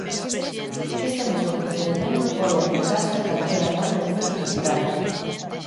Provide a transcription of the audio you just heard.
Este mesmo procedemento pode aplicarse a calquera par de números naturais.